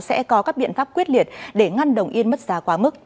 sẽ có các biện pháp quyết liệt để ngăn đồng yên mất giá quá mức